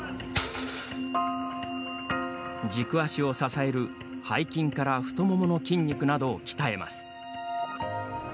軸足を支える背筋から太ももの筋肉などを鍛えます。